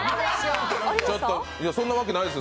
そんなわけないです